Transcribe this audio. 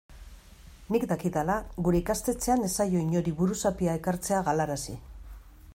Nik dakidala gure ikastetxean ez zaio inori buruzapia ekartzea galarazi.